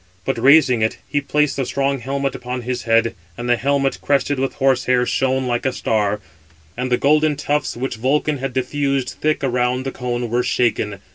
But raising it, he placed the strong helmet upon his head; and the helmet, crested with horse hair, shone like a star; and the golden tufts which Vulcan had diffused thick around the cone were shaken.